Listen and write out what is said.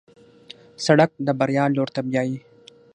سړک د بریا لور ته بیایي.